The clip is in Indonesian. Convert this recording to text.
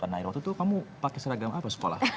nah waktu itu kamu pakai seragam apa sekolah